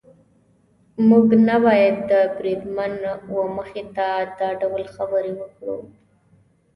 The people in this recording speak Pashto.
موږ نه باید د بریدمن وه مخې ته دا ډول خبرې وکړو.